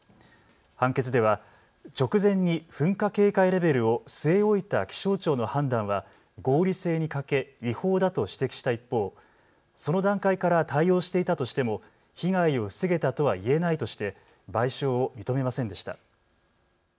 判決では直前に噴火警戒レベルを据え置いた気象庁の判断は合理性に欠け違法だと指摘した一方、その段階から対応していたとしても被害を防げたとは言えないとして賠償を認めませんでした。